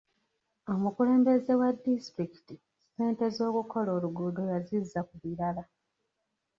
Omukulembeze wa disitulikiti ssente z'okukola oluguudo yazizza ku birala.